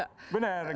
menjadi alat yang